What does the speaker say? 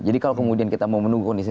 jadi kalau kemudian kita mau menunggu kondisi